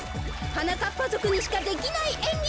はなかっぱぞくにしかできないえんぎ。